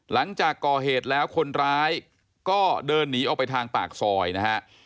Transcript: หลังจากก่อเหตุแล้วคนร้ายก็เดินหนีออกไปทางปากซอยนะฮะ